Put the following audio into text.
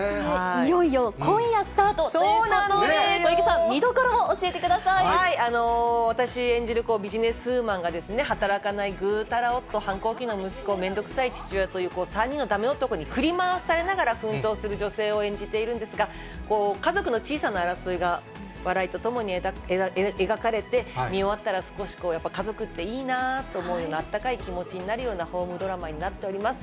いよいよ今夜スタートということで、小池さん、見どころを教私演じるビジネスウーマンが、働かないグータラ夫、反抗期の息子、めんどうくさい父親という３人のダメ男に振り回されながら、奮闘する女性を演じているんですが、家族の小さな争いが笑いとともに描かれて、見終わったら少しこう、家族っていいなと思うような温かい気持ちになるようなホームドラマになっております。